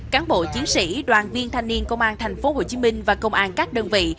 cán bộ chiến sĩ đoàn viên thanh niên công an tp hcm và công an các đơn vị